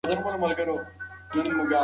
لمونځ او نور فرایض په خپل وخت ادا کړه.